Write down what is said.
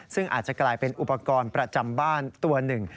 ซึ่งอาจจะกลายเป็นอุปกรณ์ประจำบ้านตัวหนึ่ง